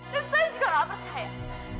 dan saya juga ramah sayang